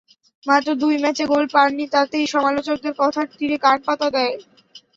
মাত্র দুই ম্যাচে গোল পাননি, তাতেই সমালোচকদের কথার তিরে কান পাতা দায়।